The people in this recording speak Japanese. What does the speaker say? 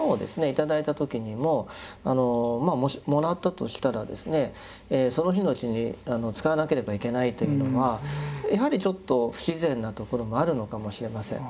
頂いた時にももらったとしたらですねその日のうちに使わなければいけないというのはやはりちょっと不自然なところもあるのかもしれません。